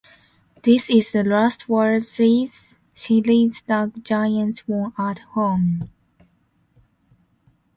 This is the last World Series the Giants won at home.